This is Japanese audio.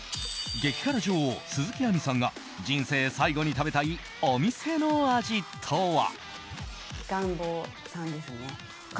激辛女王・鈴木亜美さんが人生最後に食べたいお店の味とは。